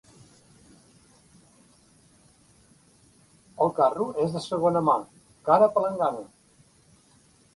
El carro és de segona mà, cara palangana.